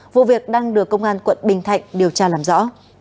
vụ việc đang được công an quận bình thạnh điều tra làm rõ